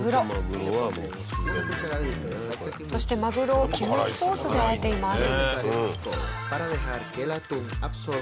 そしてマグロをキムチソースであえています。